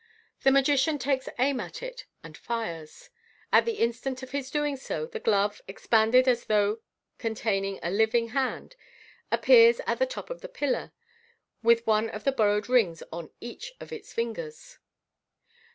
The magician takes aim at it, and fires. At the instant of his doing so, the glove, expanded as though containing a living hand, appears at the top of the pillar, with one of the borrowed rings on each of its fingers.